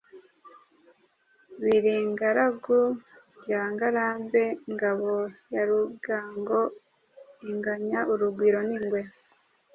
Biringaragu rya Ngarambe ngabo ya rugango inganya urugwiro n’ingwe